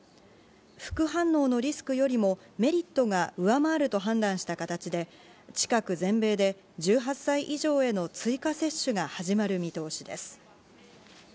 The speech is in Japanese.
副反応のリスクよりもメリットが上回ると判断した形で、近く全米で１８歳以上への追加接種が始まる見通しです。